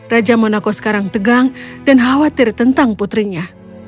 raja monaco sekarang tegang dan khawatir tentang putrinya